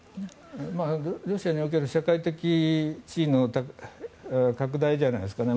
ロシアにおける社会的地位の拡大じゃないですかね。